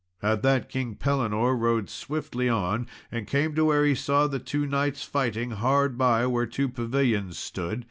At that King Pellinore rode swiftly on, and came to where he saw the two knights fighting, hard by where two pavilions stood.